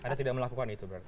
anda tidak melakukan itu berarti